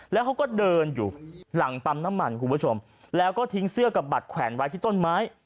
แล้วเขาก็เดินอยู่หลังปั๊มน้ำมันคุณผู้ชมแล้วก็ทิ้งเสื้อกับบัตรแขวนไว้ที่ต้นไม้